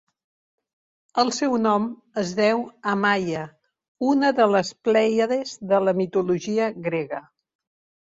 El seu nom es deu a Maia, una de les plèiades de la mitologia grega.